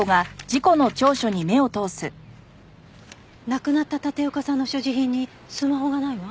亡くなった立岡さんの所持品にスマホがないわ。